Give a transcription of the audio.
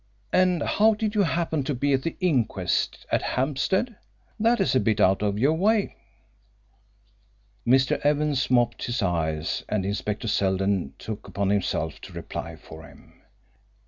And how did you happen to be at the inquest at Hampstead? That is a bit out of your way." Mr. Evans mopped his eyes, and Inspector Seldon took upon himself to reply for him.